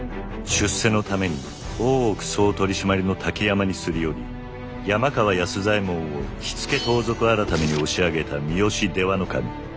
出世のために大奥総取締の滝山に擦り寄り山川安左衛門を火付盗賊改に押し上げた三好出羽守。